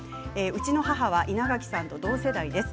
うちの母親は稲垣さんの同世代です。